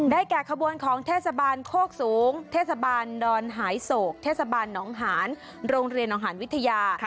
แก่ขบวนของเทศบาลโคกสูงเทศบาลดอนหายโศกเทศบาลหนองหานโรงเรียนอาหารวิทยา